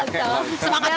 pak heru pakai lontong